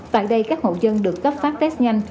tại đây các hộ dân được cấp phát test nhanh